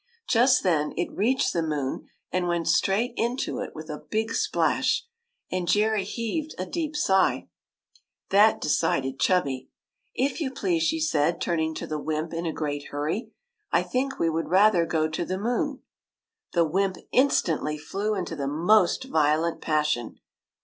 Just then, it reached the moon and went straight into it with a big splash ; and Jerry heaved a deep sigh. That decided Chubby. " If you please," she said, turning to the wymp in a great hurry, " I think we would rather go to the moon." The wymp instantly flew into the most violent passion.